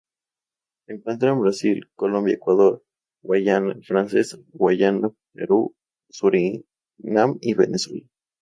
Se encuentra en Brasil, Colombia, Ecuador, Guayana francesa, Guyana, Perú, Surinam, y Venezuela.